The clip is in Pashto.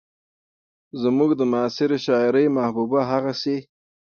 زموږ د معاصرې شاعرۍ محبوبه هغسې